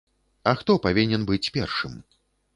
А хто павінен быць першым?